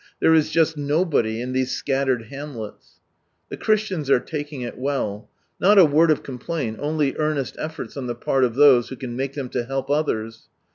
There is just nobody in these scattered hamlets. The Christians are taking it well : not a word of complaint, only earnest efforts on the part of those who can make them to help others.